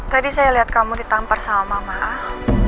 tadi saya lihat kamu ditampar sama mama